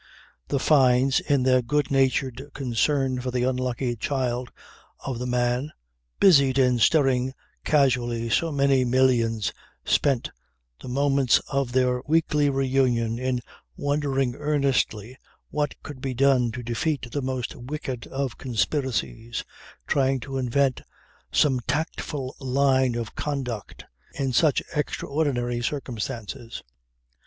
The Fynes, in their good natured concern for the unlucky child of the man busied in stirring casually so many millions, spent the moments of their weekly reunion in wondering earnestly what could be done to defeat the most wicked of conspiracies, trying to invent some tactful line of conduct in such extraordinary circumstances.